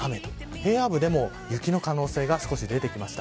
平野部でも雪の可能性が少し出てきました。